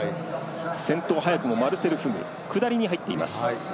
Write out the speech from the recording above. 先頭、マルセル・フグ下りに入っています。